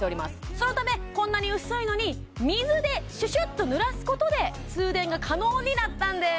そのためこんなに薄いのに水でシュシュッとぬらすことで通電が可能になったんです